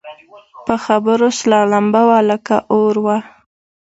په خبرو سره لمبه وه لکه اور وه